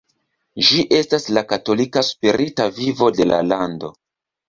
Ĝi estas la katolika spirita vivo de la lando.